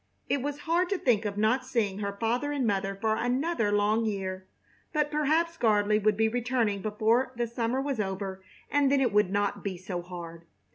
It was hard to think of not seeing her father and mother for another long year, but perhaps Gardley would be returning before the summer was over, and then it would not be so hard.